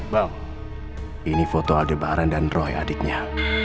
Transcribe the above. bang ini foto adebaran dan roy adiknya